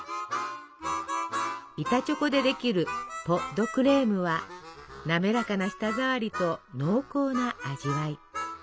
板チョコでできるポ・ド・クレームは滑らかな舌ざわりと濃厚な味わい。